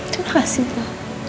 terima kasih bursa